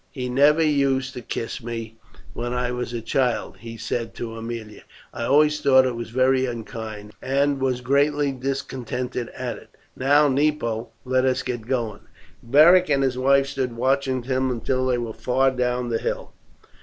"He never used to kiss me when I was a child," she said to Aemilia. "I always thought it very unkind, and was greatly discontented at it. Now, Nepo, let us be going." Beric and his wife stood watching them until they were far down the hill.